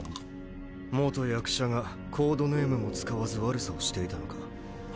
役者がコードネームも使わず悪さをしていたのか。